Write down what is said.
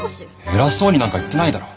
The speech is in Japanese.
偉そうになんか言ってないだろ！